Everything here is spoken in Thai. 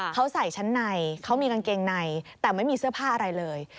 เขาใส่ชั้นในเขามีกางเกงในแต่ไม่มีเสื้อผ้าอะไรเลย